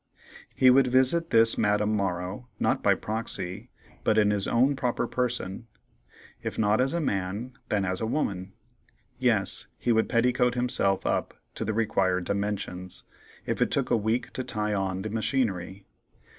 He would visit this Madame Morrow, not by proxy, but in his own proper person; if not as a man, then as a woman; yes, he would petticoat himself up to the required dimensions, if it took a week to tie on the machinery.